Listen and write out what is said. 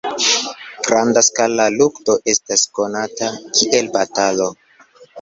Grand-skala lukto estas konata kiel batalo.